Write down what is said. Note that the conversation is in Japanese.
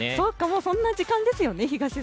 もうそんな時間ですよね。